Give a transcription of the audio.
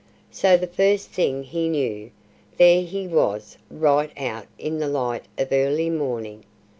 So the first thing he knew, there he was right out in the light of early morning!